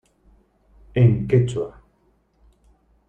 En quechua.